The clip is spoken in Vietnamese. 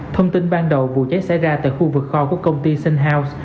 thông tin ban đầu vụ cháy xảy ra tại khu vực kho của công ty sinh hau